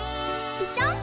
「ピチャン！」